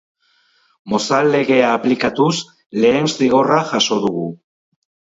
Mozal Legea aplikatuz lehen zigorra jaso dugu.